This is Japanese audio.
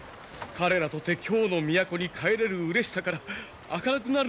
彼らとて京の都に帰れるうれしさから明るくなるのを待ち切れ。